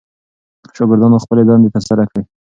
شاګردانو خپلې دندې ترسره کړې.